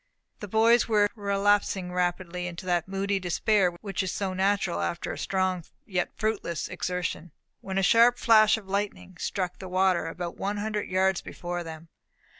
The boys were relapsing rapidly into that moody despair which is so natural after strong yet fruitless exertion, when a sharp flash of lightning struck in the water about one hundred yards before them.